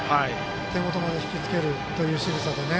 手元まで引きつけるというしぐさで。